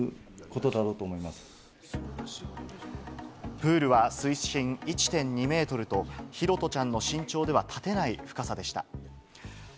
プールは水深１．２メートルと、拓杜ちゃんの身長では立てない深さでした。